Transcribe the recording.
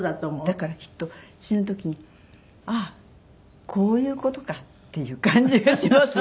だからきっと死ぬ時にああこういう事かっていう感じがします。